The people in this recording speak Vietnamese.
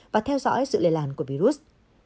và theo dõi sự lề làn của virus